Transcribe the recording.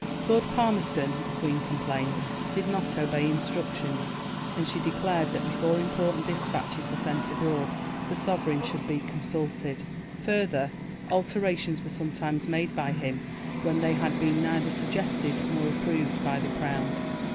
Lord Palmerston, the Queen complained, did not obey instructions, and she declared that before important dispatches were sent abroad the Sovereign should be consulted. Further, alterations were sometimes made by him when they had been neither suggested nor approved by the Crown.